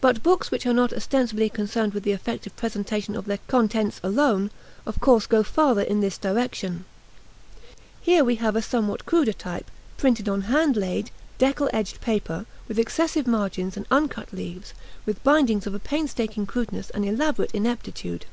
But books which are not ostensibly concerned with the effective presentation of their contents alone, of course go farther in this direction. Here we have a somewhat cruder type, printed on hand laid, deckel edged paper, with excessive margins and uncut leaves, with bindings of a painstaking crudeness and elaborate ineptitude.